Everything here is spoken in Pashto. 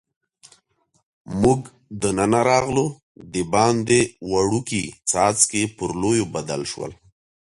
موږ دننه راغلو، دباندې وړوکي څاڅکي پر لویو بدل شول.